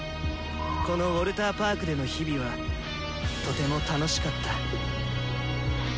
このウォルターパークでの日々はとても楽しかった。